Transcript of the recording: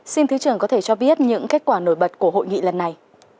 xin thứ trưởng có thể cho biết những kết quả nổi bật của hội nghị lần này